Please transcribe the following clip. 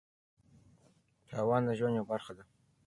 تاوان د ژوند یوه برخه ده.